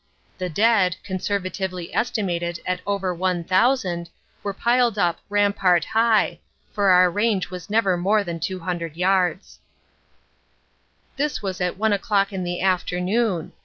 The dead, conservatively estimated at over one thousand, were piled up rampart high, for our range was never more than 200 yards. This was at one o clock in the afternoon.